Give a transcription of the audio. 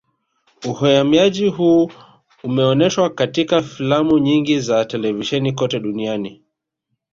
Uhamiaji huu umeoneshwa katika filamu nyingi za televisheni kote duniani